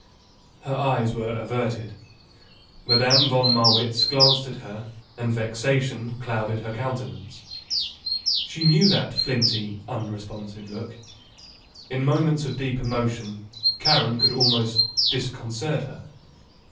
Her eyes were averted. Madame von Marwitz glanced at her and vexation clouded her countenance. She knew that flinty, unresponsive look. In moments of deep emotion Karen could almost disconcert her.